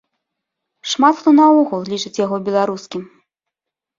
Шмат хто наогул лічыць яго беларускім.